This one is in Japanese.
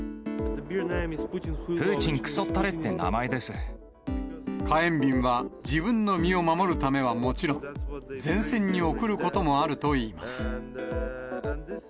プーチンくそったれって名前火炎瓶は自分の身を守るためにはもちろん、前線に送ることもあるといいます。